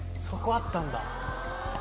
そこあったんだ。